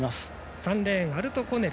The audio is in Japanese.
３レーン、アルトコネル。